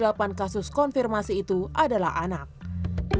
yang berarti kasus kematian pada anak yang paling besar adalah anak yang meninggal dunia